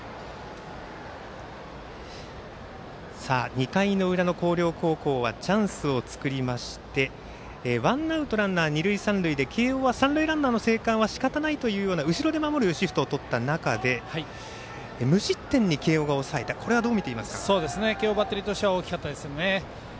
２回の裏の広陵高校はチャンスを作りましてワンアウト、ランナー、二塁三塁で慶応は三塁ランナーの生還はしかたないというような後ろで守るシフトをとった中で慶応バッテリーとしては大きかったですね。